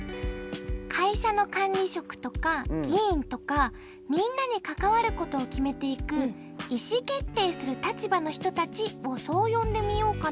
会社の管理職とか議員とかみんなに関わることを決めていく意思決定する立場の人たちをそう呼んでみようかなと思っています。